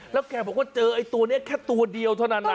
แล้วแกบอกว่าเจอไอ้ตัวนี้แค่ตัวเดียวเท่านั้นนะ